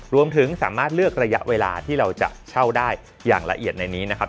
รวมถึงสามารถเลือกระยะเวลาที่เราจะเช่าได้อย่างละเอียดในนี้นะครับ